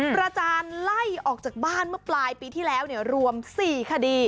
ประจานไล่ออกจากบ้านเมื่อปลายปีที่แล้วรวม๔คดี